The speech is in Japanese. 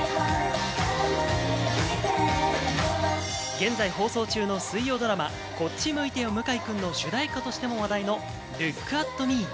現在放送中の水曜ドラマ『こっち向いてよ向井くん』の主題歌としても話題の『ＬＯＯＫＡＴＭＥ』。